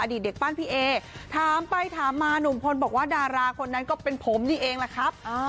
เด็กปั้นพี่เอถามไปถามมาหนุ่มพลบอกว่าดาราคนนั้นก็เป็นผมนี่เองแหละครับ